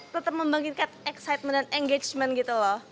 tetap membangkitkan excitement dan engagement gitu loh